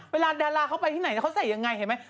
เวลาดาราเขาไปที่ไหนเขาใส่ยังไงเห็นไหม